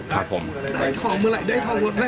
ได้ทองเมื่อไร